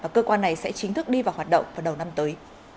cơ quan này sẽ chính thức đi vào hoạt động vào đầu năm tới